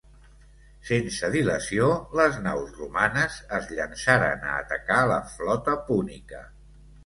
Sense dilació, les naus romanes es llançaren a atacar la flota púnica.